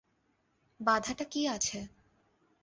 বাধাটা কী আছে।